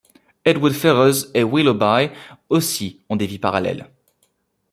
Edward Ferrars et Willoughby aussi ont des vies parallèles.